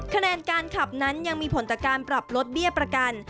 คะแนนการขับนั้นยังมีผลต่อการปรับลดเบี้ยประกัน